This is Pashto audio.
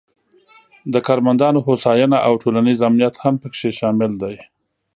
د کارمندانو هوساینه او ټولنیز امنیت هم پکې شامل دي.